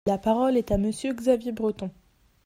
La parole est à Monsieur Xavier Breton.